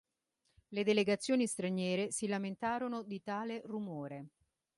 Le delegazioni straniere si lamentarono di tale rumore.